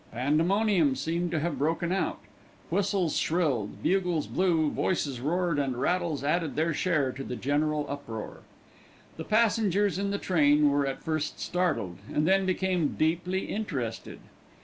Pandemonium seemed to have broken out. Whistles shrilled, bugles blew, voices roared, and rattles added their share to the general uproar. The passengers in the train were at first startled, and then became deeply interested.